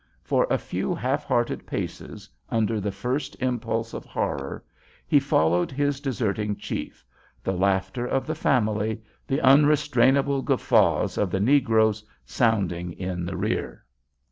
For a few half hearted paces, under the first impulse of horror, he followed his deserting chief, the laughter of the family, the unrestrainable guffaws of the negroes, sounding in the rear.